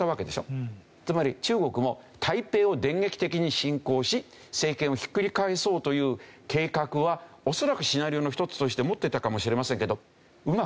つまり中国も台北を電撃的に侵攻し政権をひっくり返そうという計画は恐らくシナリオの一つとして持ってたかもしれませんけど。